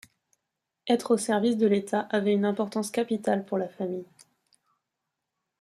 Être au service de l'État avait une importance capitale pour la famille.